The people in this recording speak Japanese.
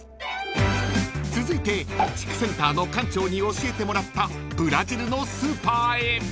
［続いて地区センターの館長に教えてもらったブラジルのスーパーへ］